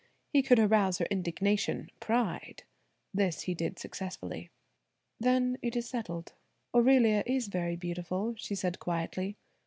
He could arouse her indignation–pride; this he did successfully. "Then it is settled. Aurelia is very beautiful," she said quietly.